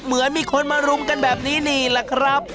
เหมือนมีคนมารุมกันแบบนี้นี่แหละครับ